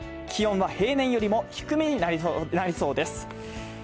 気温は平年よりも低めになりそうです。